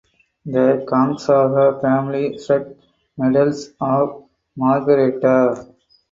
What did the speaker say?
The Gonzaga family struck medals of Margherita.